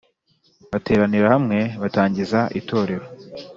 bateranira hamwe batangiza itorero